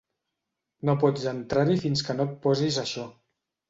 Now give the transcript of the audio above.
No pots entrar-hi fins que no et posis això.